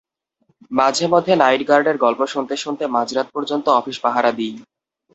মাঝেমধ্যে নাইট গার্ডের গল্প শুনতে শুনতে মাঝরাত পর্যন্ত অফিস পাহারা দিই।